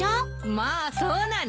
まあそうなの？